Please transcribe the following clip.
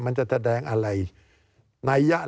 การเลือกตั้งครั้งนี้แน่